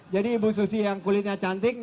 jadi ibu susi yang kulitnya cantik